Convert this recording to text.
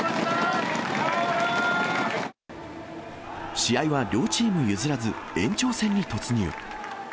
試合は両チーム譲らず、延長戦に突入。